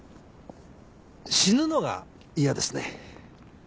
死ぬのが嫌ですね。